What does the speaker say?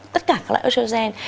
tất cả các loại estrogen